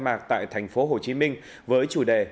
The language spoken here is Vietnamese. mạc tại thành phố hồ chí minh với chủ đề